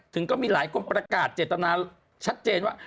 ก็มีหลายคนประกาศเจตนาชัดเจนว่า